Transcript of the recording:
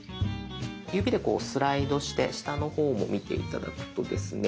指でスライドして下の方も見て頂くとですね